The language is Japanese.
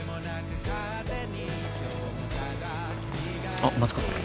あっ松子さん。